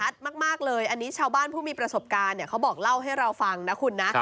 มากเลยอันนี้ชาวบ้านผู้มีประสบการณ์เขาบอกเล่าให้เราฟังนะคุณนะ